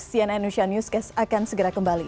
cnn indonesia newscast akan segera kembali